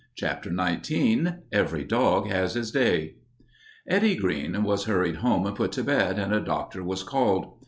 CHAPTER XIX EVERY DOG HIS DAY Eddie Greene was hurried home and put to bed, and a doctor was called.